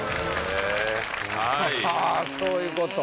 はいそういうこと